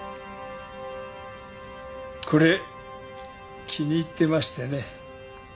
これ気に入ってましてね。